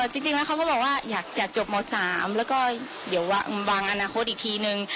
จริงแล้วเขาก็บอกว่าอยากจบม๓แล้วก็เดี๋ยววางอนาคตอีกทีนึง